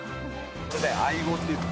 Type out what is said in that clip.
アイゴっていって。